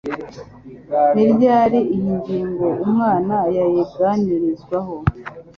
niryari iyi ngingo umwana yayiganirizwaho.